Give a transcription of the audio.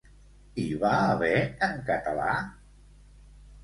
Hi va haver en català?